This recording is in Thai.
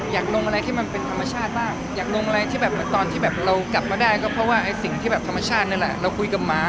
ลงอะไรที่มันเป็นธรรมชาติบ้างอยากลงอะไรที่แบบเหมือนตอนที่แบบเรากลับมาได้ก็เพราะว่าไอ้สิ่งที่แบบธรรมชาตินั่นแหละเราคุยกับหมา